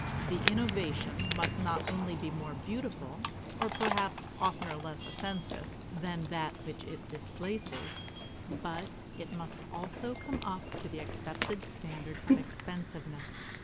The innovation must not only be more beautiful, or perhaps oftener less offensive, than that which it displaces, but it must also come up to the accepted standard of expensiveness.